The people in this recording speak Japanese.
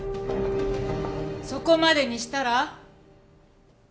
そこまでにしたら？